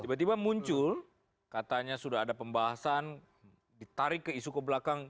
tiba tiba muncul katanya sudah ada pembahasan ditarik ke isu ke belakang